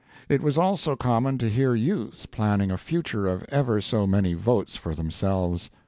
It was also common to hear youths planning a future of ever so many votes for themselves.